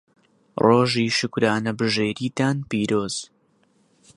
ڕۆژی شوکرانەبژێریتان پیرۆز.